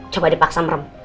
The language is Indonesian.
coba dipaksa mrem